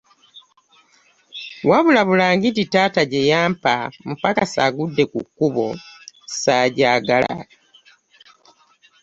Wabula bulangiti taata gye tampa ‘mupakasi agudde ku kkubo’ saagyagala.